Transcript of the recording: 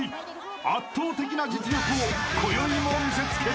［圧倒的な実力をこよいも見せつける］